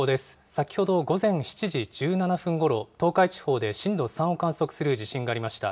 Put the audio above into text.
先ほど午前７時１７分ごろ、東海地方で震度３を観測する地震がありました。